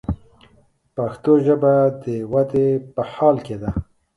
پښتو ژبه د ودې په حال کښې ده.